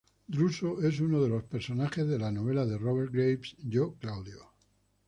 Druso es uno de los personajes de la novela de Robert Graves "Yo, Claudio".